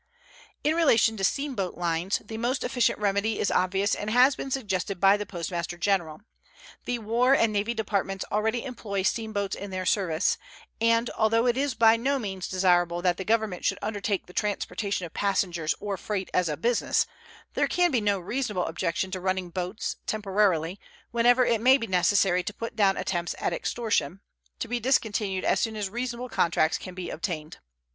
In relation to steamboat lines, the most efficient remedy is obvious and has been suggested by the Postmaster General. The War and Navy Departments already employ steamboats in their service; and although it is by no means desirable that the Government should undertake the transportation of passengers or freight as a business, there can be no reasonable objection to running boats, temporarily, whenever it may be necessary to put down attempts at extortion, to be discontinued as soon as reasonable contracts can be obtained.